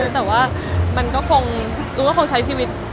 แต่ว่ามันก็คงอุ้นก็คงใช้ชีวิต